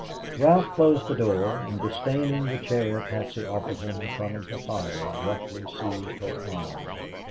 Ralph closed the door and disdaining the chair Patsy offered him in front of the fire, roughly seized her arm.